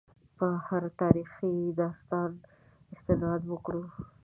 په هر تاریخي داستان استناد وکړو.